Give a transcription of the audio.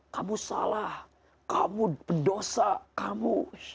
kamu salah kamu pendosa kamu